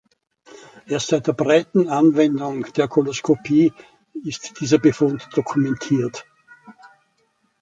Erst seit der breiten Anwendung der Koloskopie ist dieser Befund dokumentiert.